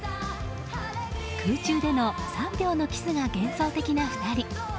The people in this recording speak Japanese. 空中での３秒のキスが幻想的な２人。